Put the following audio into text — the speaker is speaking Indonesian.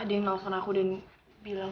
ada yang nelfon aku dan bilang